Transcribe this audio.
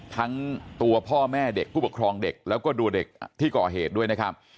ทั้งตัวพ่อแม่เด็กผู้ปกครองเด็กแล้วก็ตัวเด็กที่ก่อเหตุด้วยนะครับ